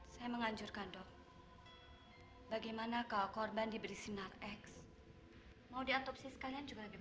saya menganjurkan dok bagaimana kalau korban diberi sinar x mau diatopsi sekalian juga lebih